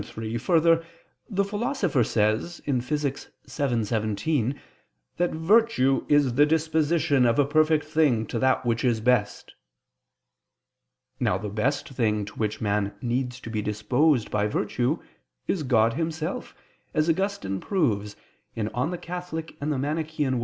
3: Further, the Philosopher says (Phys. vii, text. 17) that virtue "is the disposition of a perfect thing to that which is best." Now the best thing to which man needs to be disposed by virtue is God Himself, as Augustine proves (De Moribus Eccl.